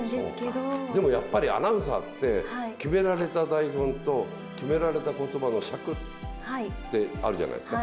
そっか、でもやっぱり、アナウンサーって、決められた台本と決められたことばの尺ってあるじゃないですか。